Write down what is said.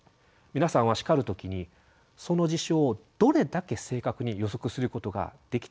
皆さんは叱る時にその事象をどれだけ正確に予測することができているでしょうか？